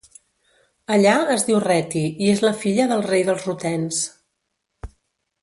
Allà es diu Reti i és la filla del rei dels rutens.